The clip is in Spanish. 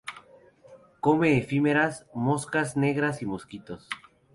Come efímeras, moscas negras y mosquitos.